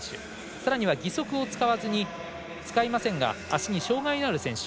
さらには義足を使いませんが足に障がいのある選手。